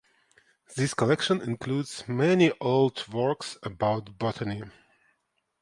This collection includes many old works about botany.